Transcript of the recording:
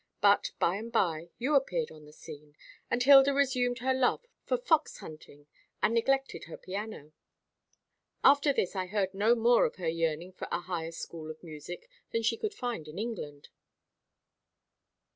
But by and by you appeared upon the scene, and Hilda resumed her love for fox hunting, and neglected her piano. After this I heard no more of her yearning for a higher school of music than she could find in England."